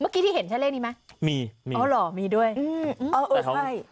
เมื่อกี้ที่เห็นช่ายเลขนี้มั้ยมีอ๋อหรอมีด้วยอืมอ่าอีกใหญ่